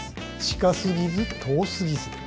近過ぎず遠過ぎず。